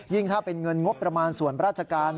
ถ้าเป็นเงินงบประมาณส่วนราชการ